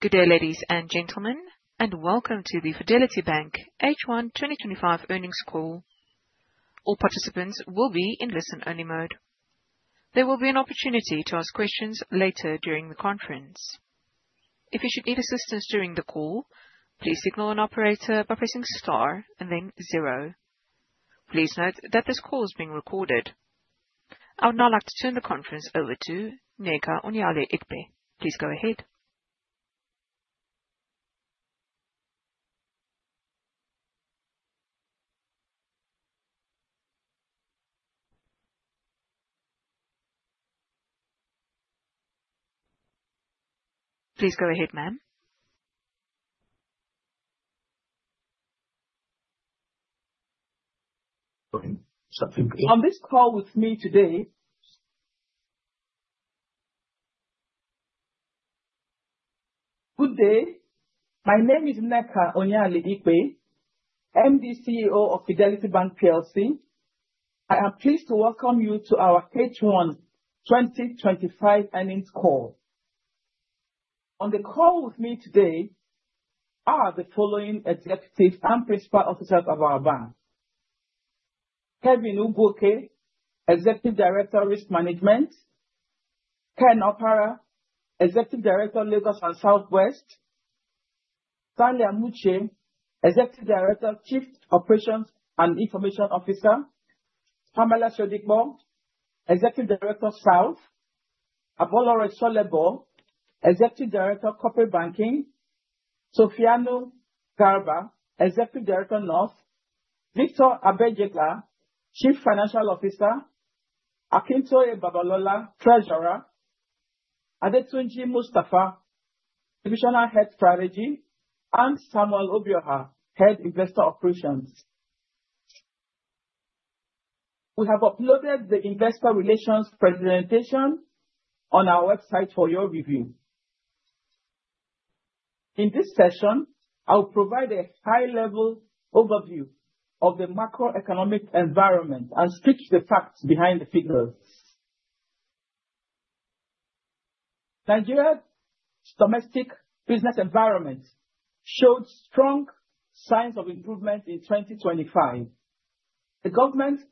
Good day, ladies and gentlemen, and welcome to the Fidelity Bank H1 2025 earnings call. All participants will be in listen-only mode. There will be an opportunity to ask questions later during the conference. If you should need assistance during the call, please signal an operator by pressing star and then zero. Please note that this call is being recorded. I would now like to turn the conference over to Nneka Onyeali-Ikpe. Please go ahead. Please go ahead, ma'am. On this call with me today. Good day. My name is Nneka Onyeali-Ikpe, MD/CEO of Fidelity Bank PLC. I am pleased to welcome you to our H1 2025 earnings call. On the call with me today are the following executive and principal officers of our bank: Kevin Ugwuoke, Executive Director, Risk Management; Ken Opara, Executive Director, Lagos and Southwest; Stanley Amuchie, Executive Director, Chief Operations and Information Officer; Pamela Shodipo, Executive Director, South; Abolore Solebo, Executive Director, Corporate Banking; Safiyanu Garba, Executive Director, North; Victor Abejegah, Chief Financial Officer; Akintoye Babalola, Treasurer; Adetunji Mustafa, Division Head Strategy; and Samuel Obioha, Head Investor Operations. We have uploaded the investor relations presentation on our website for your review. In this session, I will provide a high-level overview of the macroeconomic environment and speak to the facts behind the figures. Nigeria's domestic business environment showed strong signs of improvement in 2025. The government's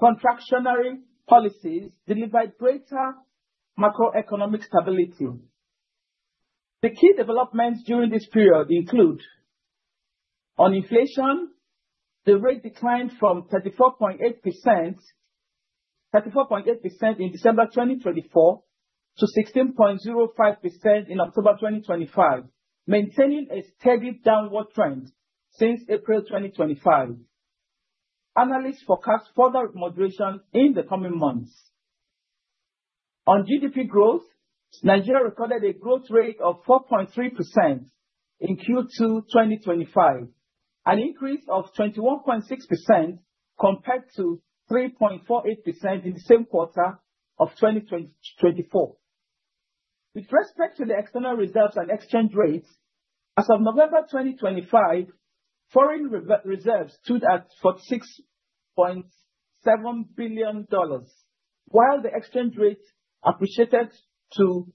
contractionary policies delivered greater macroeconomic stability. The key developments during this period include: on inflation, the rate declined from 34.8% in December 2024 to 16.05% in October 2025, maintaining a steady downward trend since April 2025. Analysts forecast further moderation in the coming months. On GDP growth, Nigeria recorded a growth rate of 4.3% in Q2 2025, an increase of 21.6% compared to 3.48% in the same quarter of 2024. With respect to the external reserves and exchange rates, as of November 2025, foreign reserves stood at $46.7 billion, while the exchange rate appreciated to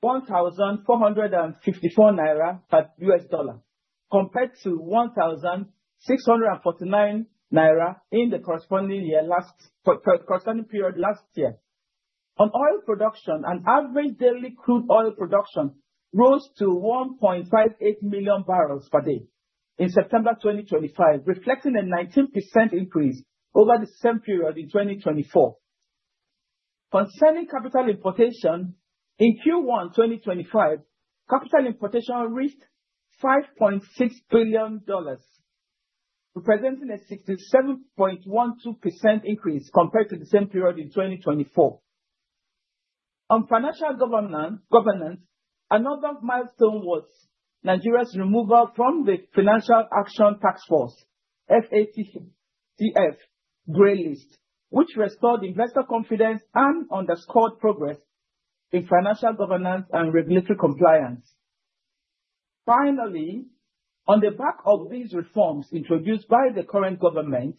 1,454 naira per US dollar, compared to 1,649 naira in the corresponding period last year. On oil production, an average daily crude oil production rose to 1.58 million barrels per day in September 2025, reflecting a 19% increase over the same period in 2024. Concerning capital importation, in Q1 2025, capital importation reached $5.6 billion, representing a 67.12% increase compared to the same period in 2024. On financial governance, another milestone was Nigeria's removal from the Financial Action Task Force, FATF, gray list, which restored investor confidence and underscored progress in financial governance and regulatory compliance. Finally, on the back of these reforms introduced by the current government,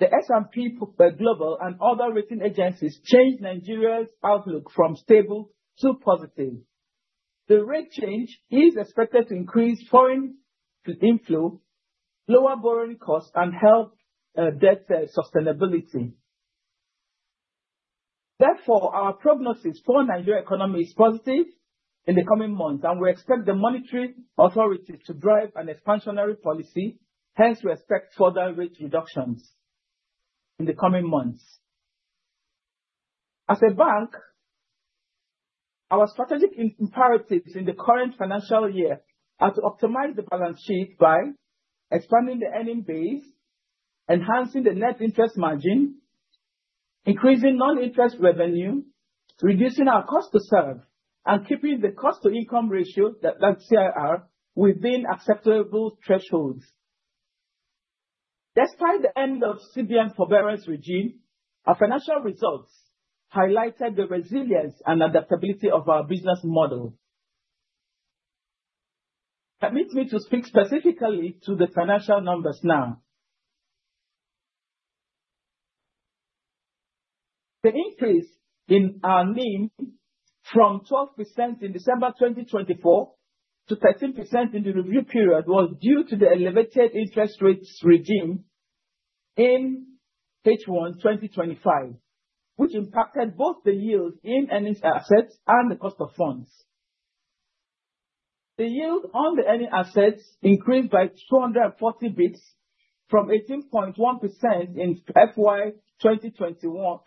S&P Global and other rating agencies changed Nigeria's outlook from stable to positive. The rate change is expected to increase foreign inflow, lower borrowing costs, and help debt sustainability. Therefore, our prognosis for Nigeria's economy is positive in the coming months, and we expect the monetary authorities to drive an expansionary policy. Hence, we expect further rate reductions in the coming months. As a bank, our strategic imperatives in the current financial year are to optimize the balance sheet by expanding the earning base, enhancing the net interest margin, increasing non-interest revenue, reducing our cost to serve, and keeping the cost to income ratio, that CIR, within acceptable thresholds. Despite the end of CBN's forbearance regime, our financial results highlighted the resilience and adaptability of our business model. Permit me to speak specifically to the financial numbers now. The increase in our NIM from 12% in December 2024 to 13% in the review period was due to the elevated interest rates regime in H1 2025, which impacted both the yield in earnings assets and the cost of funds. The yield on the earning assets increased by 240 bips from 18.1% in full year 2024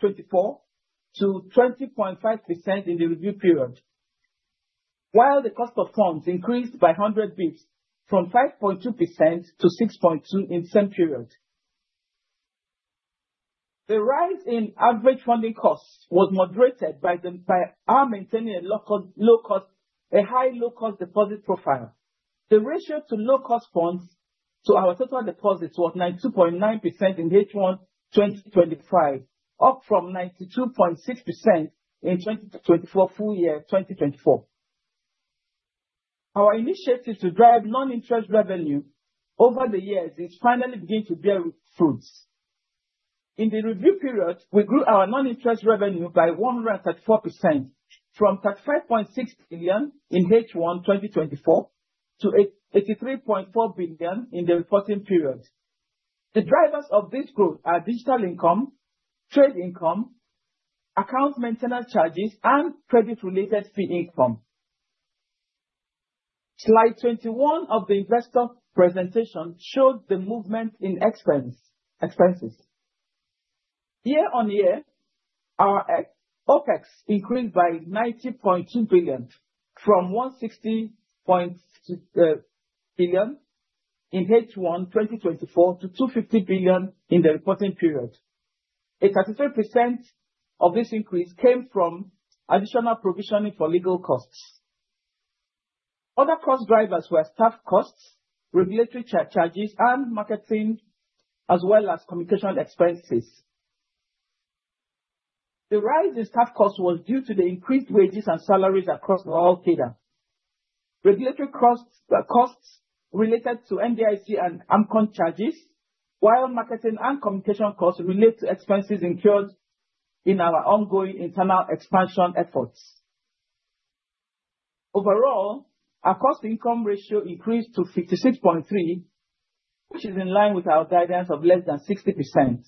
to 20.5% in the review period, while the cost of funds increased by 100 bips from 5.2% to 6.2% in the same period. The rise in average funding costs was moderated by our maintaining a low-cost, a high low-cost deposit profile. The ratio of low-cost funds to our total deposits was 92.9% in H1 2025, up from 92.6% in full year 2024. Our initiative to drive non-interest revenue over the years is finally beginning to bear fruits. In the review period, we grew our non-interest revenue by 134% from 35.6 billion in H1 2024 to 83.4 billion in the reporting period. The drivers of this growth are digital income, trade income, account maintenance charges, and credit-related fee income. Slide 21 of the investor presentation showed the movement in expenses. Year on year, our OPEX increased by 90.2 billion from 160.6 billion in H1 2024 to 250 billion in the reporting period. A 33% of this increase came from additional provisioning for legal costs. Other cost drivers were staff costs, regulatory charges, and marketing, as well as communication expenses. The rise in staff costs was due to the increased wages and salaries across the whole cadre. Regulatory costs related to NDIC and AMCON charges, while marketing and communication costs relate to expenses incurred in our ongoing internal expansion efforts. Overall, our cost-to-income ratio increased to 56.3%, which is in line with our guidance of less than 60%.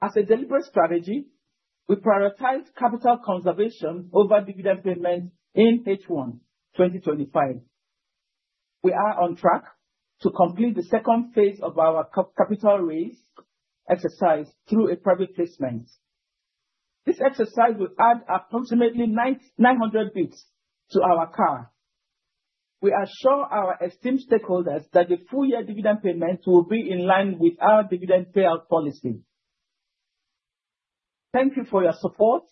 As a deliberate strategy, we prioritized capital conservation over dividend payment in H1 2025. We are on track to complete the second phase of our capital raise exercise through a private placement. This exercise will add approximately 900 bips to our CAR. We assure our esteemed stakeholders that the full-year dividend payment will be in line with our dividend payout policy. Thank you for your support.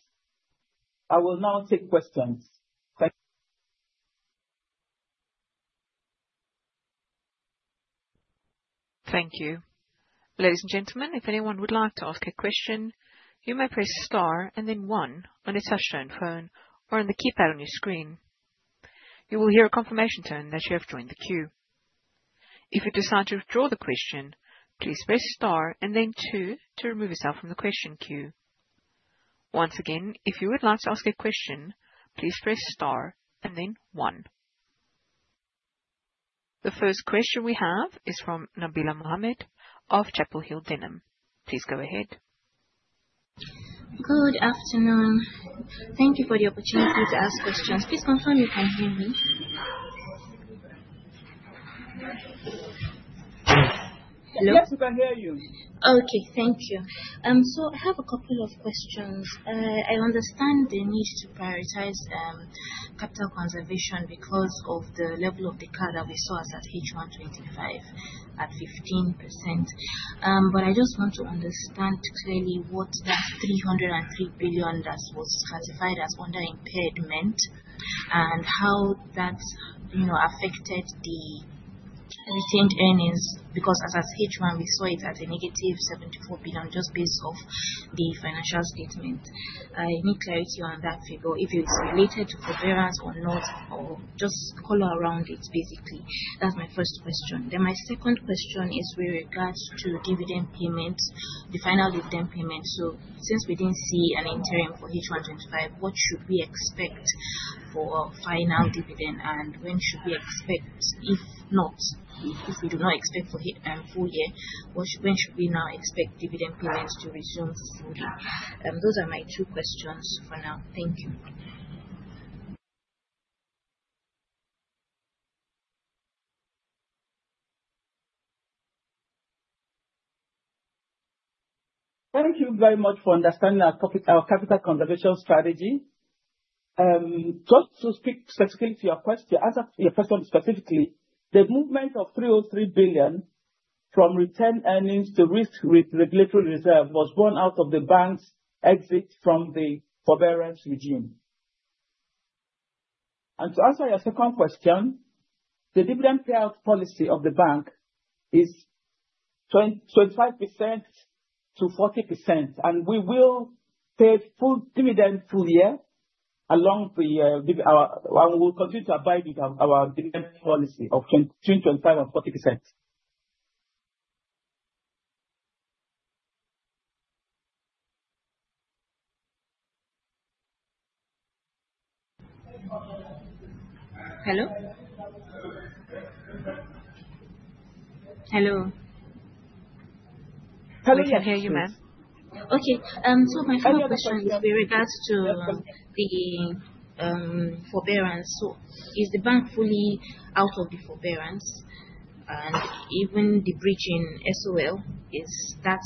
I will now take questions. Thank you. Ladies and gentlemen, if anyone would like to ask a question, you may press star and then one on a touch-tone phone or on the keypad on your screen. You will hear a confirmation tone that you have joined the queue. If you decide to withdraw the question, please press star and then two to remove yourself from the question queue. Once again, if you would like to ask a question, please press star and then one. The first question we have is from Nabila Mohammed of Chapel Hill Denham. Please go ahead. Good afternoon. Thank you for the opportunity to ask questions. Please confirm you can hear me. Yes, we can hear you. Okay, thank you. I have a couple of questions. I understand the need to prioritize capital conservation because of the level of the CAR that we saw as at H1 2025 at 15%. I just want to understand clearly what that 303 billion that was classified as under impaired meant and how that affected the retained earnings, because as H1, we saw it as a negative 74 billion just based off the financial statement. I need clarity on that figure, if it's related to forbearance or not, or just color around it, basically. That's my first question. My second question is with regards to dividend payment, the final dividend payment. Since we did not see an interim for H1 2025, what should we expect for final dividend, and when should we expect if not, if we do not expect for full year, when should we now expect dividend payments to resume fully? Those are my two questions for now. Thank you. Thank you very much for understanding our capital conservation strategy. Just to speak specifically to your question, your question specifically, the movement of 303 billion from retained earnings to risk with regulatory reserve was born out of the bank's exit from the forbearance regime. To answer your second question, the dividend payout policy of the bank is 25%-40%, and we will pay full dividend full year. We will continue to abide with our dividend policy of between 25% and 40%. Hello? Hello. Hello. I can hear you, ma'am. Okay. My first question is with regards to the forbearance. Is the bank fully out of the forbearance, and even the breach in SOL, is that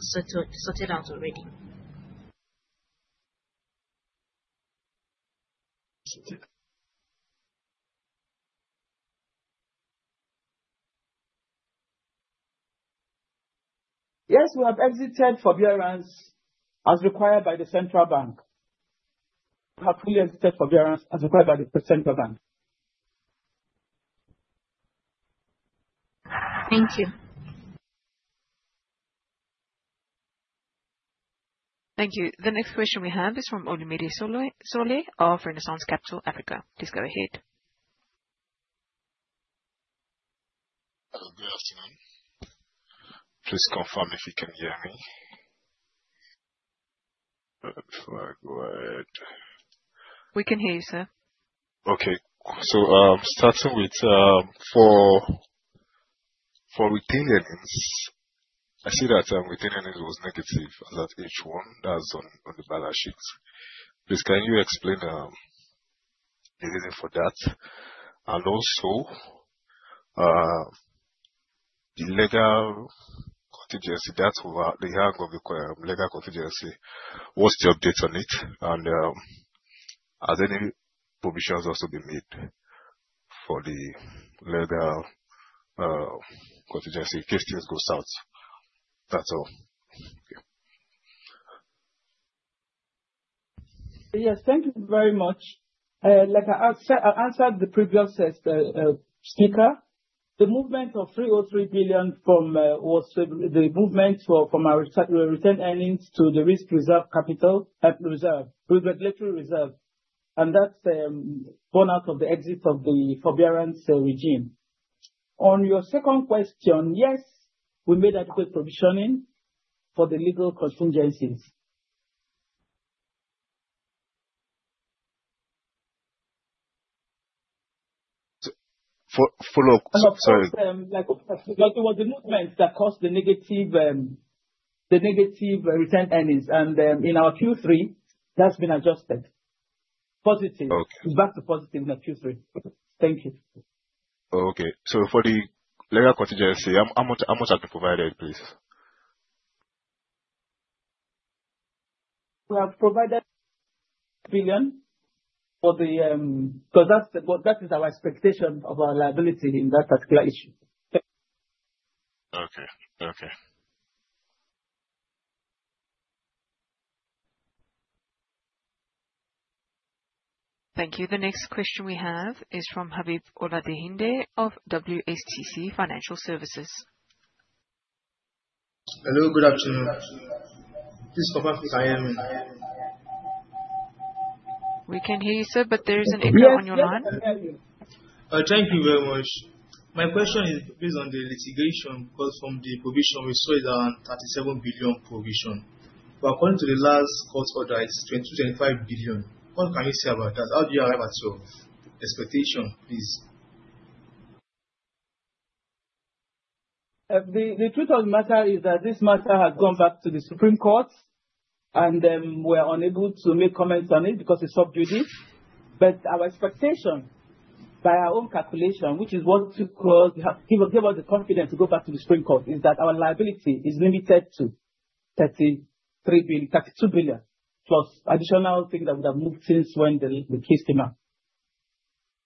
sorted out already? Yes, we have exited forbearance as required by the central bank. We have fully exited forbearance as required by the central bank. Thank you. Thank you. The next question we have is from Oni Mere Sole of Renaissance Capital Africa. Please go ahead. Hello, good afternoon. Please confirm if you can hear me. We can hear you, sir. Okay. Starting with for retained earnings, I see that retained earnings was negative as at H1 as on the balance sheet. Please can you explain the reason for that? Also, the legal contingency that we have, legal contingency, what's the update on it? Are there any provisions also being made for the legal contingency in case things go south? That's all. Yes, thank you very much. Like I answered the previous speaker, the movement of 303 billion was the movement from our retained earnings to the risk reserve capital, regulatory reserve, and that's borne out of the exit of the forbearance regime. On your second question, yes, we made adequate provisioning for the legal contingencies. Follow-up question, sorry. It was the movement that caused the negative retained earnings. In our Q3, that's been adjusted. Positive. It's back to positive in Q3. Thank you. Okay. For the legal contingency, how much have you provided, please? We have provided billion for the because that is our expectation of our liability in that particular issue. Okay. Okay. Thank you. The next question we have is from Habeeb Oladehinde of WSTC Financial Services. Hello, good afternoon. Please confirm if I am in. We can hear you, sir, but there is an echo on your line. Thank you very much. My question is based on the litigation because from the provision, we saw it as 37 billion provision. According to the last court order, it is NGN 22-25 billion. What can you say about that? How do you arrive at your expectation, please? The truth of the matter is that this matter has gone back to the Supreme Court, and we are unable to make comments on it because it's sub judice. Our expectation, by our own calculation, which is what gave us the confidence to go back to the Supreme Court, is that our liability is limited to 33 billion, 32 billion, plus additional things that we have moved since when the case came up.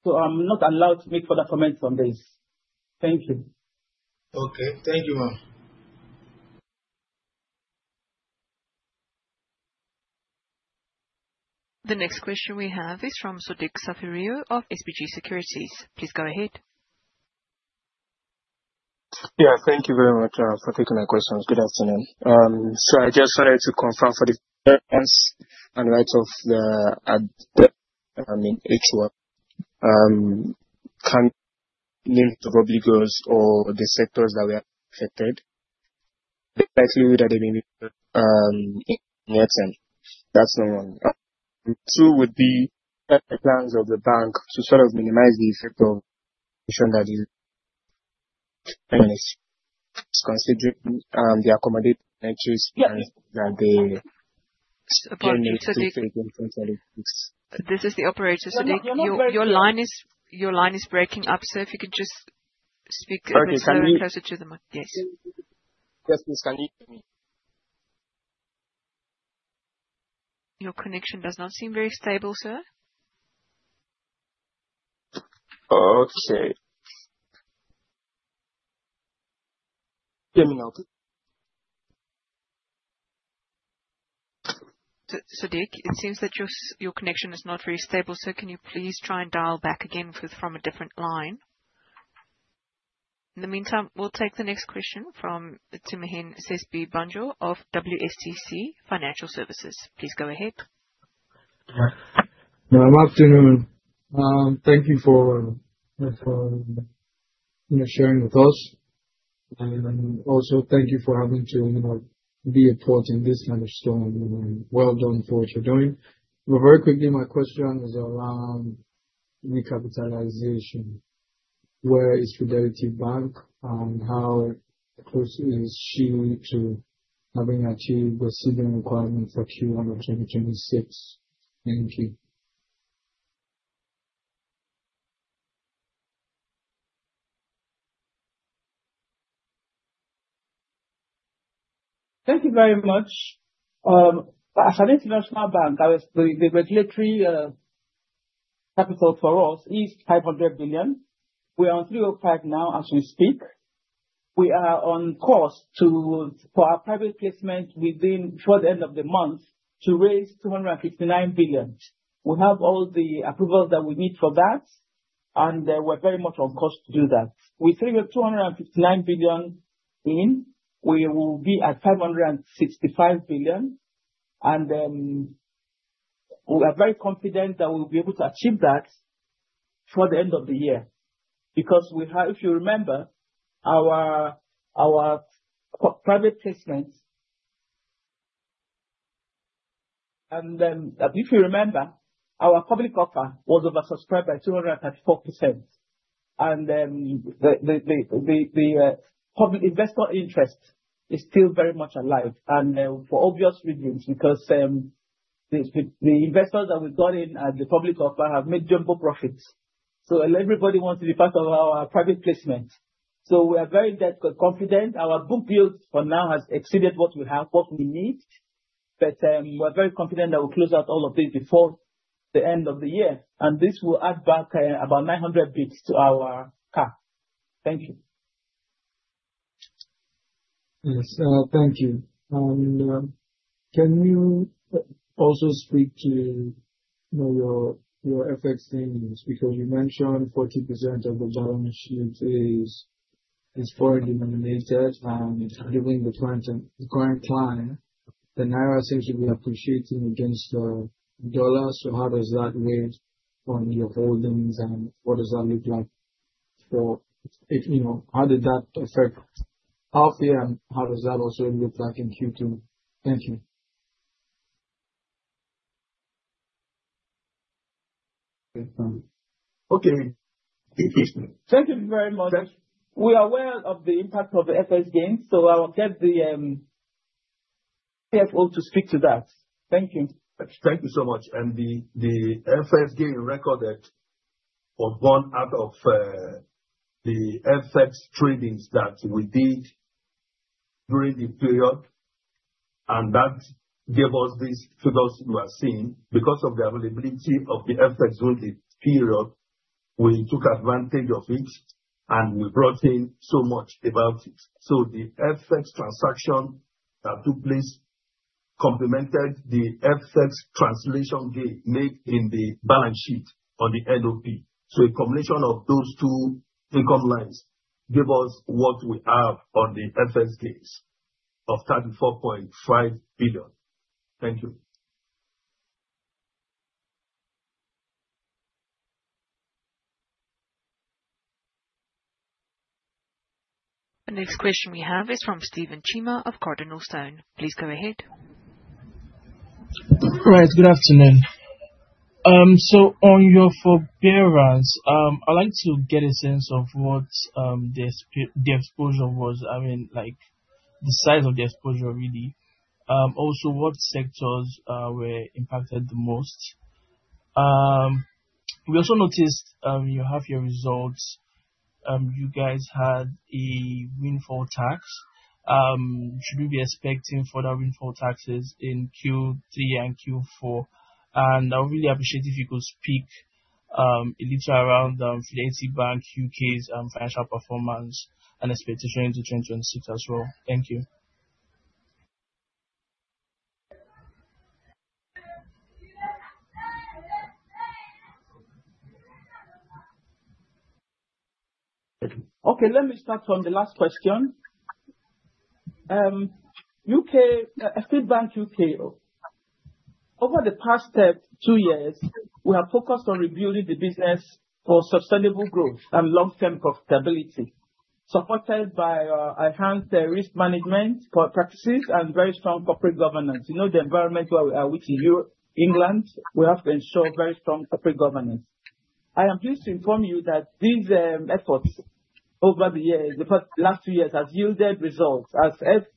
I am not allowed to make further comments on this. Thank you. Okay. Thank you, ma'am. The next question we have is from Sadiq Safiri of SBG Securities. Please go ahead. Yeah, thank you very much for taking my questions. Good afternoon. I just wanted to confirm for the purpose and right of the H1 name probably goes or the sectors that were affected, exactly what they mean in the exam. That's the one. Two would be the plans of the bank to sort of minimize the effect of that, considering the accommodation choice that the. This is the operator. Sadiq, your line is breaking up, sir. If you could just speak a little bit closer to the mic. Yes. Yes, please. Can you hear me? Your connection does not seem very stable, sir. Okay. Give me now. Sadiq, it seems that your connection is not very stable, sir. Can you please try and dial back again from a different line? In the meantime, we'll take the next question from Tumininu Segun-Banjo of WSTC Financial Services. Please go ahead. Good afternoon. Thank you for sharing with us. Thank you for having to be a port in this kind of storm. Well done for what you're doing. Very quickly, my question is around recapitalization. Where is Fidelity Bank, and how close is she to having achieved the seeding requirement for Q1 of 2026? Thank you. Thank you very much. For a financial bank, the regulatory capital for us is 500 billion. We are on 305 billion now as we speak. We are on course to, for our private placement within before the end of the month, to raise 259 billion. We have all the approvals that we need for that, and we're very much on course to do that. We threw 259 billion in. We will be at 565 billion. We are very confident that we'll be able to achieve that for the end of the year because we have, if you remember, our private placement. If you remember, our public offer was oversubscribed by 234%. The investor interest is still very much alive for obvious reasons because the investors that we got in at the public offer have made jumbo profits. Everybody wants to be part of our private placement. We are very confident. Our book yield for now has exceeded what we need. We are very confident that we will close out all of this before the end of the year. This will add back about 900 bips to our CAR. Thank you. Yes, thank you. Can you also speak to your FX namings? You mentioned 40% of the balance sheet is foreign denominated, and given the current client, the Naira seems to be appreciating against the dollars. How does that weigh on your holdings, and what does that look like for how did that affect half year, and how does that also look like in Q2? Thank you. Okay. Thank you very much. We are aware of the impact of the FX gains, so I will get the CFO to speak to that. Thank you. Thank you so much. The FX gain recorded was born out of the FX tradings that we did during the period, and that gave us these figures you are seeing. Because of the availability of the FX during the period, we took advantage of it, and we brought in so much about it. The FX transaction that took place complemented the FX translation gain made in the balance sheet on the NOP. A combination of those two income lines gave us what we have on the FX gains of NGN 34.5 billion. Thank you. The next question we have is from Stephen Chima of CardinalStone. Please go ahead. Right. Good afternoon. On your forbearance, I'd like to get a sense of what the exposure was, I mean, the size of the exposure really. Also, what sectors were impacted the most? We also noticed you have your results. You guys had a windfall tax. Should we be expecting further windfall taxes in Q3 and Q4? I would really appreciate if you could speak a little around Fidelity Bank UK's financial performance and expectation into 2026 as well. Thank you. Okay. Let me start from the last question. U.K., Fidelity Bank U.K., over the past two years, we have focused on rebuilding the business for sustainable growth and long-term profitability, supported by our enhanced risk management practices and very strong corporate governance. You know the environment where we are within England, we have to ensure very strong corporate governance. I am pleased to inform you that these efforts over the last two years have yielded results as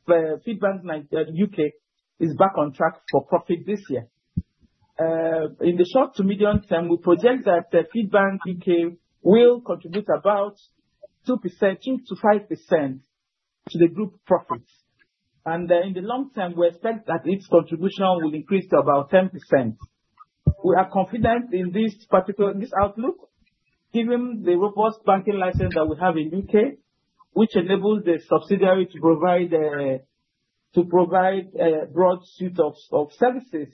Fidelity Bank U.K. is back on track for profit this year. In the short to medium term, we project that Fidelity Bank U.K. will contribute about 2%-5% to the group profits. In the long term, we expect that its contribution will increase to about 10%. We are confident in this outlook, given the robust banking license that we have in the U.K., which enables the subsidiary to provide a broad suite of services,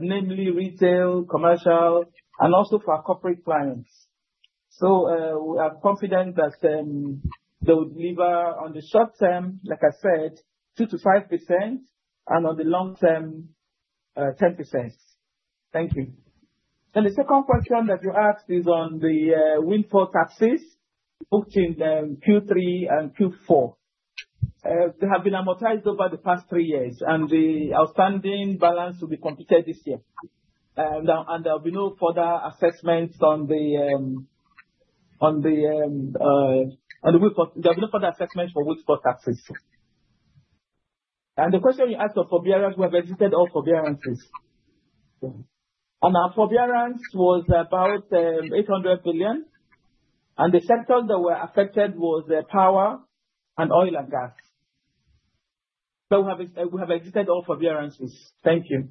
namely retail, commercial, and also for corporate clients. We are confident that they would deliver on the short term, like I said, 2%-5%, and on the long term, 10%. Thank you. The second question that you asked is on the windfall taxes booked in Q3 and Q4. They have been amortized over the past three years, and the outstanding balance will be completed this year. There will be no further assessments for windfall taxes. The question you asked of forbearance, we have exited all forbearances. Our forbearance was about 800 billion. The sectors that were affected were power and oil and gas. We have exited all forbearances. Thank you.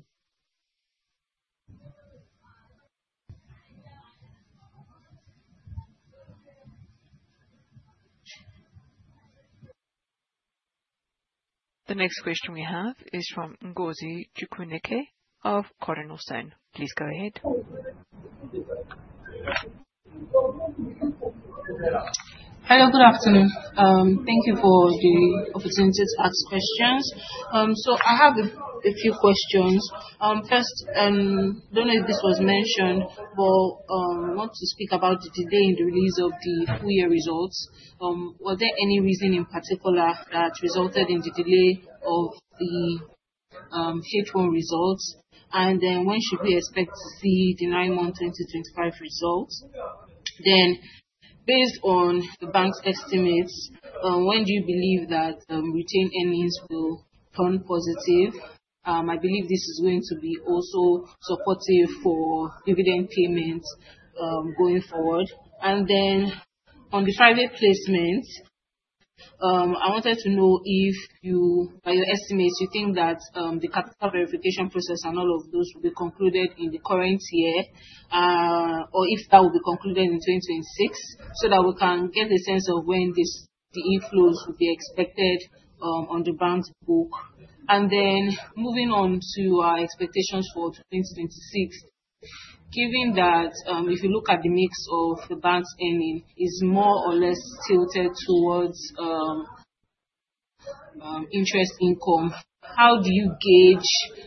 The next question we have is from Ngozi Chukwuneke of CardinalStone. Please go ahead. Hello. Good afternoon. Thank you for the opportunity to ask questions. I have a few questions. First, I do not know if this was mentioned, but I want to speak about the delay in the release of the full-year results. Were there any reasons in particular that resulted in the delay of the Q2 results? When should we expect to see the 9-month 2025 results? Based on the bank's estimates, when do you believe that retained earnings will turn positive? I believe this is going to be also supportive for dividend payments going forward. On the private placement, I wanted to know if you, by your estimates, you think that the capital verification process and all of those will be concluded in the current year or if that will be concluded in 2026 so that we can get a sense of when the inflows will be expected on the bank's book. Moving on to our expectations for 2026, given that if you look at the mix of the bank's earnings, it's more or less tilted towards interest income, how do you gauge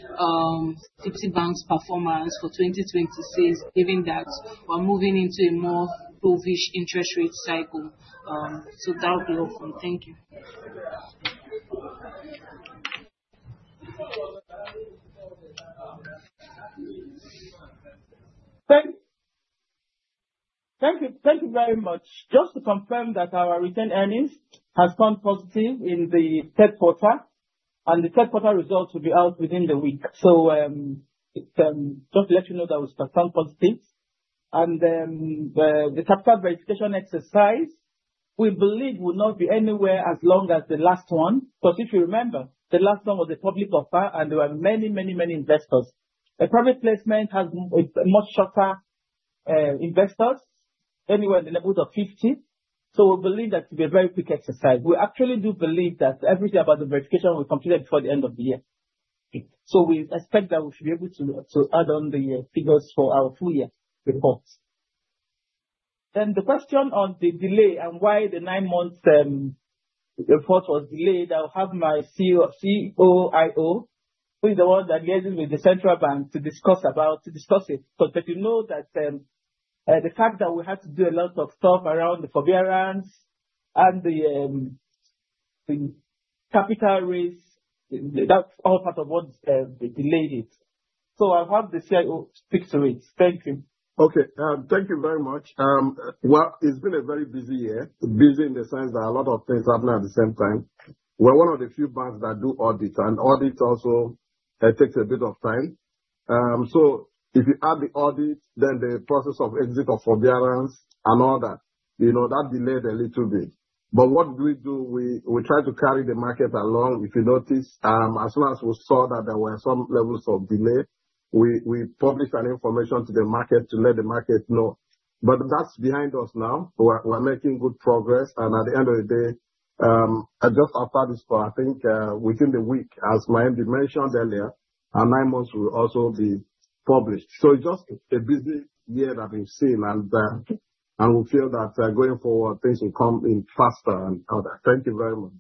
Fidelity Bank's performance for 2026 given that we're moving into a more dovish interest rate cycle? That would be awesome. Thank you. Thank you. Thank you very much. Just to confirm that our retained earnings have turned positive in the third quarter, and the third quarter results will be out within the week. Just to let you know that we've turned positive. The capital verification exercise, we believe, will not be anywhere as long as the last one because if you remember, the last one was a public offer, and there were many, many, many investors. A private placement has much shorter investors, anywhere in the levels of 50. We believe that it will be a very quick exercise. We actually do believe that everything about the verification will be completed before the end of the year. We expect that we should be able to add on the figures for our full-year report. The question on the delay and why the nine-month report was delayed, I'll have my CEO, IO, who is the one that liaises with the central bank to discuss it. You know that the fact that we had to do a lot of stuff around the forbearance and the capital raise, that's all part of what delayed it. I'll have the CIO speak to it. Thank you. Okay. Thank you very much. It has been a very busy year, busy in the sense that a lot of things happen at the same time. We are one of the few banks that do audits, and audits also take a bit of time. If you add the audit, then the process of exit of forbearance and all that, that delayed a little bit. What we do, we try to carry the market along. If you notice, as soon as we saw that there were some levels of delay, we published information to the market to let the market know. That is behind us now. We are making good progress. At the end of the day, just after this, I think within the week, as Nneka mentioned earlier, our nine-months will also be published. It is just a busy year that we've seen, and we feel that going forward, things will come in faster and other. Thank you very much.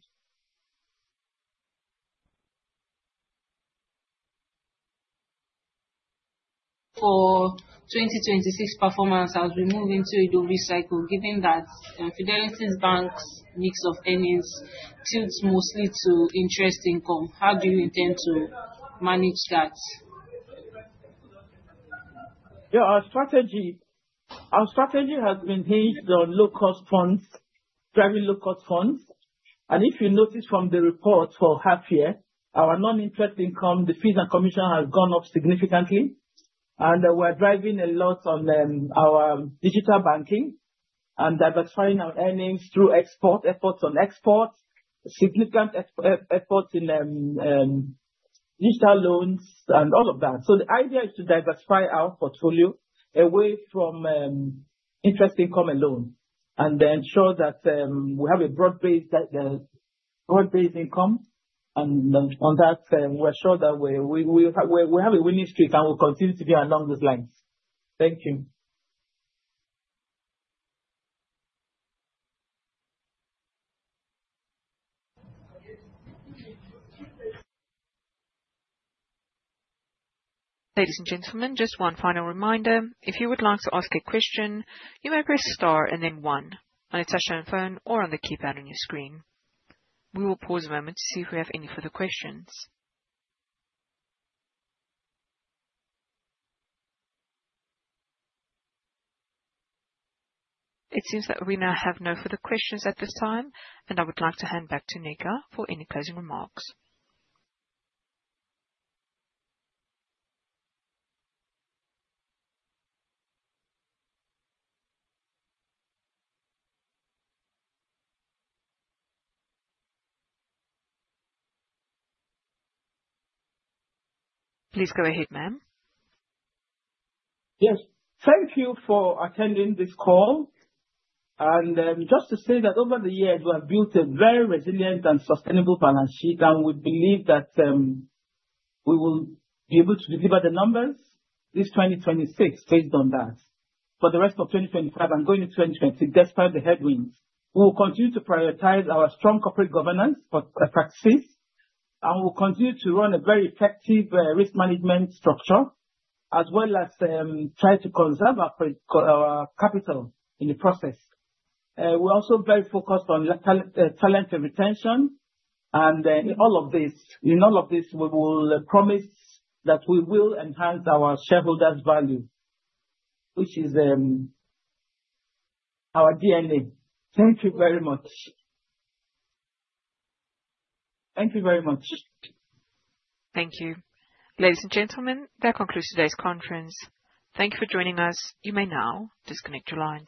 For 2026 performance, as we move into a new cycle, given that Fidelity Bank's mix of earnings tilts mostly to interest income, how do you intend to manage that? Yeah. Our strategy has been based on low-cost funds, driving low-cost funds. If you notice from the report for half year, our non-interest income, the fees and commission have gone up significantly. We are driving a lot on our digital banking and diversifying our earnings through export, efforts on export, significant efforts in digital loans, and all of that. The idea is to diversify our portfolio away from interest income alone and ensure that we have a broad-based income. On that, we are sure that we have a winning streak and we will continue to be along those lines. Thank you. Ladies and gentlemen, just one final reminder. If you would like to ask a question, you may press star and then one on a touch-on phone or on the keypad on your screen. We will pause a moment to see if we have any further questions. It seems that we now have no further questions at this time, and I would like to hand back to Nneka for any closing remarks. Please go ahead, ma'am. Yes. Thank you for attending this call. Just to say that over the years, we have built a very resilient and sustainable balance sheet, and we believe that we will be able to deliver the numbers this 2026 based on that. For the rest of 2025 and going into 2026, despite the headwinds, we will continue to prioritize our strong corporate governance practices, and we will continue to run a very effective risk management structure as well as try to conserve our capital in the process. We are also very focused on talent retention, and in all of this, we promise that we will enhance our shareholders' value, which is our DNA. Thank you very much. Thank you very much. Thank you. Ladies and gentlemen, that concludes today's conference. Thank you for joining us. You may now disconnect your line.